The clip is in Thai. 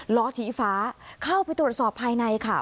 ล้อชี้ฟ้าเข้าไปตรวจสอบภายในค่ะ